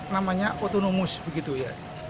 namanya autonomous begitu ya